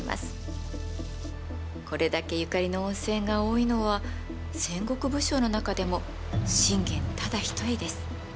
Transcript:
これだけゆかりの温泉が多いのは戦国武将の中でも信玄ただ一人です。